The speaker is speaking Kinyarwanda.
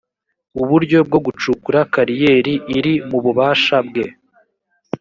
uburyo bwo gucukura kariyeri iri mu bubasha bwe